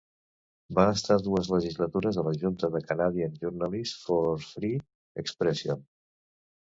Va estar dues legislatures a la junta de Canadian Journalists for Free Expression.